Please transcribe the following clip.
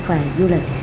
và du lịch